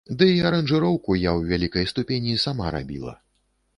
Дый аранжыроўку я ў вялікай ступені сама рабіла.